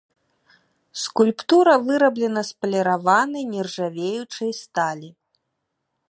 Скульптура выраблена з паліраванай нержавеючай сталі.